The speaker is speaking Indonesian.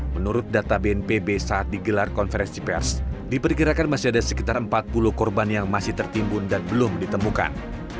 menurut data bnpb saat digelar konferensi pers diperkirakan masih ada sekitar empat puluh korban yang masih tertimbun dan belum ditemukan